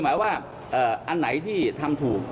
หมายว่าอันไหนที่ทำถูก